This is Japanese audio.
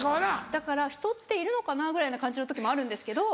だから人っているのかなぐらいな感じの時もあるんですけど。